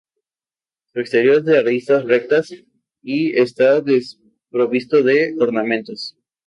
Su exterior es de aristas rectas y está desprovisto de ornamentos.